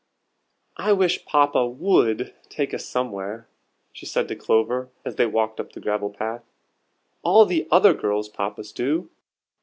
"I wish Papa would take us somewhere," she said to Clover, as they walked up the gravel path. "All the other girls' Papas do."